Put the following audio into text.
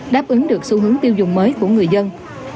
đáp ứng được xu hướng tiêu dùng mới của người dân